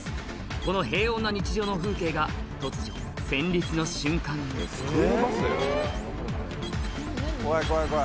この平穏な日常の風景が突如戦慄の瞬間に怖い怖い怖い。